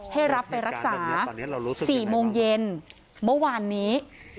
ให้รับไปรักษา๔โมงเย็นเมื่อวานนี้